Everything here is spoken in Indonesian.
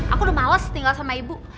aku udah males tinggal sama ibu